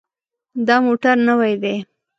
دا موټر نوی دی.